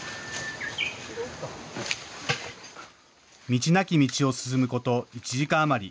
道なき道を進むこと、１時間余り。